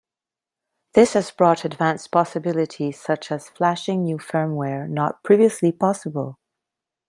This has brought advanced possibilities such as flashing new firmware, not previously possible.